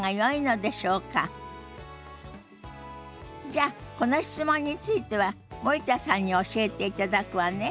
じゃあこの質問については森田さんに教えていただくわね。